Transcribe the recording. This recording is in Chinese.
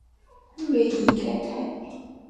瑞伊盖泰。